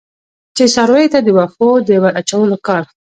چې څارویو ته د وښو د ور اچولو کار.